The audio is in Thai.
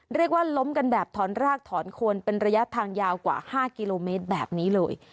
เรียกว่าล้มกันแบบถอนรากถอนโคนเป็นระยะทางยาวกว่า๕กิโลเมตรแบบนี้เลย